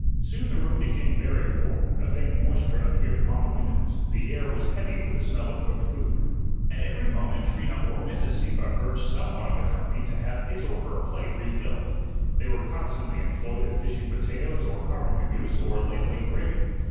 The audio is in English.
Soon the room became very warm, a faint moisture appeared upon the windows, the air was heavy with the smell of cooked food. At every moment Trina or Mrs. Sieppe urged some one of the company to have his or her plate refilled. They were constantly employed in dishing potatoes or carving the goose or ladling gravy.